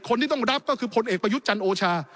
คนที่ต้องรับก็คือพลเอกประยุทธ์จันทร์โอชา